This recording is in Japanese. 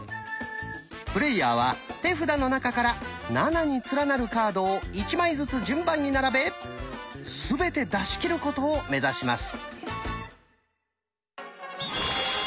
プレイヤーは手札の中から「７」に連なるカードを１枚ずつ順番に並べすべて出し切ることを目指します。